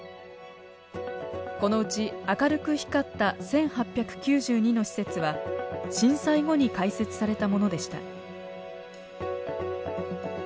このうち明るく光った１，８９２の施設は震災後に開設されたものでした。